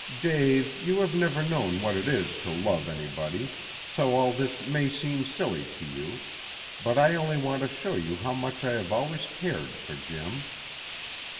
Dave, you have never known what it is to love anybody, so all this may seem silly to you, but I only want to show you how much I have always cared for Jim.